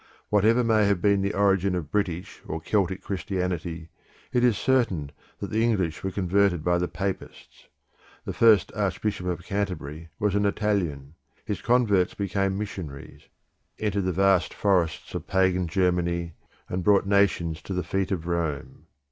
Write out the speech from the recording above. Whatever may have been the origin of British or Celtic Christianity, it is certain that the English were converted by the Papists; the first Archbishop of Canterbury was an Italian; his converts became missionaries, entered the vast forests of pagan Germany, and brought nations to the feet of Rome.